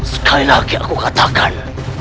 sekali lagi aku katakan